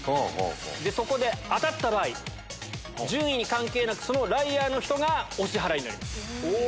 そこで当たった場合順位に関係なくライアーの人がお支払いになります。